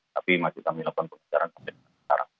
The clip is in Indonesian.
tapi masih kami lakukan perbicaraan